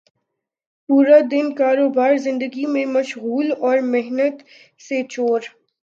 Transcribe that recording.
پورا دن کاروبار زندگی میں مشغول اور محنت سے چور